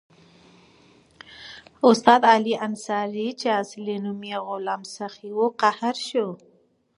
استاد علي انصاري چې اصلي نوم یې غلام سخي وو قهر شو.